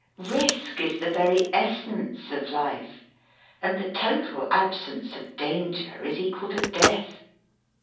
Risk is the very essence of life, and the total absence of danger is equal to death.